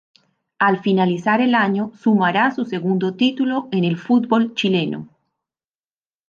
Al finalizar el año sumará su segundo título en el fútbol chileno.